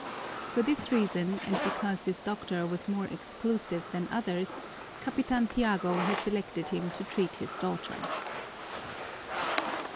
For this reason and because this doctor was more exclusive than others, Capitan Tiago had selected him to treat his daughter.